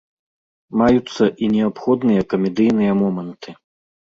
Маюцца і неабходныя камедыйныя моманты.